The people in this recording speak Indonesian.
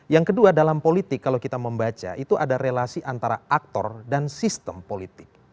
yang kedua dalam politik kalau kita membaca itu ada relasi antara aktor dan sistem politik